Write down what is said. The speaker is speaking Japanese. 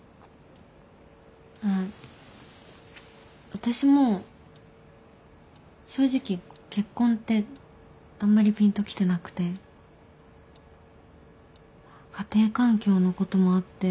私も正直結婚ってあんまりピンときてなくて家庭環境のこともあって。